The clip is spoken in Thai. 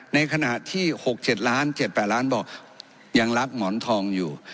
ในขณะที่๖๗ล้าน๗๘ล้านบอกยังรับหมอนทองอยู่